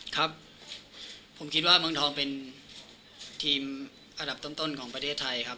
ครับผมคิดว่าเมืองทองเป็นทีมอันดับต้นของประเทศไทยครับ